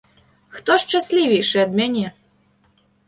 Хто шчаслівейшы ад мяне?